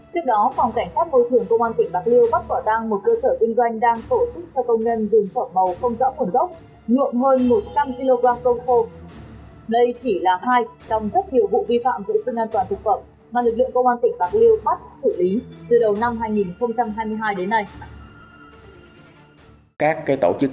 trước đó phòng cảnh sát môi trường công an tỉnh bạc liêu bắt quả tăng một cơ sở kinh doanh đang tổ chức cho công nhân dùng phỏng màu không rõ nguồn gốc